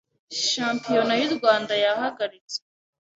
Shampiyona y’u Rwanda yahagaritswe,